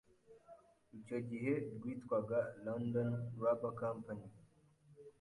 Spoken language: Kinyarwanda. icyo gihe rwitwaga London Rubber Company.